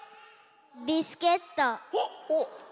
ビスケット。